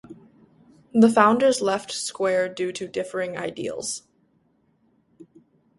The founders left Square due to differing ideals.